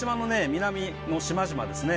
南の島々ですね